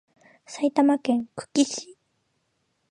埼玉県久喜市